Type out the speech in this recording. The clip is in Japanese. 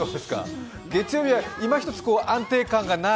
月曜日は今ひとつ安定がない